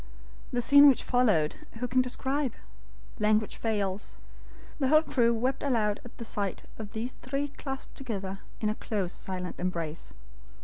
The scene which followed, who can describe? Language fails. The whole crew wept aloud at the sight of these three clasped together in a close, silent embrace.